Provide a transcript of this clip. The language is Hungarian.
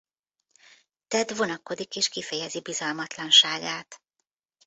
Ted vonakodik és kifejezi bizalmatlanságát.